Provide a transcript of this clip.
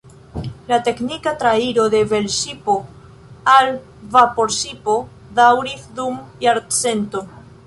La teknika trairo de velŝipo al vaporŝipo daŭris dum jarcento.